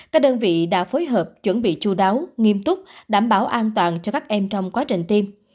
các đơn vị đã phối hợp chuẩn bị chú đáo nghiêm túc đảm bảo an toàn cho các em trong quá trình tiêm